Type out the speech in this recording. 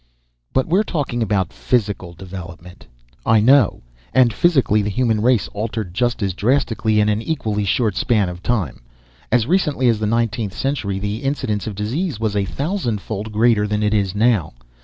"But we're talking about physical development." "I know. And physically, the human race altered just as drastically in an equally short span of time. As recently as the nineteenth century, the incidence of disease was a thousandfold greater than it is now.